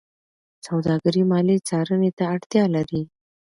سوداګري مالي څارنې ته اړتیا لري.